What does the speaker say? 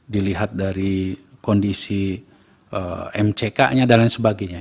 dilihat dari kondisi mck nya dan lain sebagainya